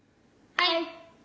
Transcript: はい！